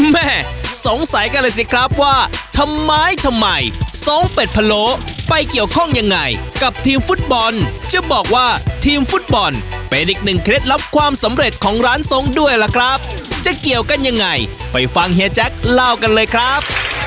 แม่สงสัยกันเลยสิครับว่าทำไมทำไมทรงเป็ดพะโล้ไปเกี่ยวข้องยังไงกับทีมฟุตบอลจะบอกว่าทีมฟุตบอลเป็นอีกหนึ่งเคล็ดลับความสำเร็จของร้านทรงด้วยล่ะครับจะเกี่ยวกันยังไงไปฟังเฮียแจ๊คเล่ากันเลยครับ